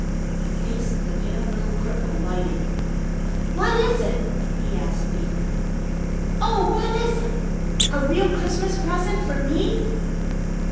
The face of the pale little cripple lighted. "What is it?" he asked eagerly. "Oh, what is it? A real Christmas present for me?"